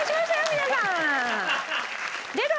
皆さん。